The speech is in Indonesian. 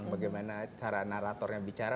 bagaimana cara naratornya bicara